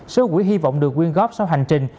số quỹ hy vọng được quyên góp sau hành trình